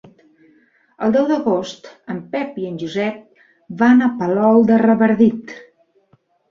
El deu d'agost en Pep i en Josep van a Palol de Revardit.